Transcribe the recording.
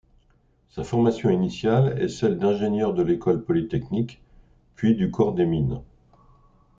Sa formation initiale est celle d'Ingénieur de l'École polytechnique puis du Corps des mines.